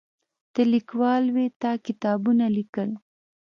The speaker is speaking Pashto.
ته لیکوال وې تا کتابونه لیکل.